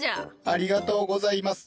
ありがとうございます。